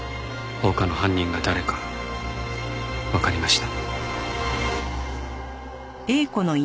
放火の犯人が誰かわかりました。